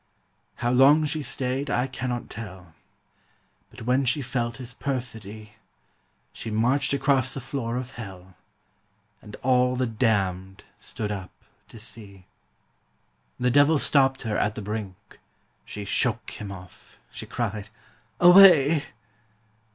How long she stayed I cannot tell; But when she felt his perfidy, She marched across the floor of hell; And all the damned stood up to see. The devil stopped her at the brink: She shook him off; she cried, 'Away!'